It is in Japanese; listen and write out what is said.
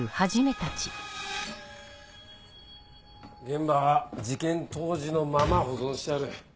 現場は事件当時のまま保存してある。